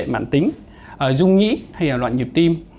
truy tim dung nhĩ hay loạn nhịp tim